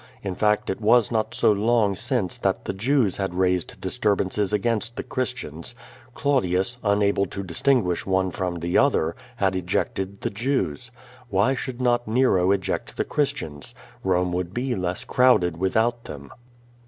In fact, it was not so long since that the Jews had raised disturbances against the Christians. Clau dius, unable to distinguish one from the other, had ejected the Jews. WHiy should not Nero eject the Christians? Rome would be less crowded without them.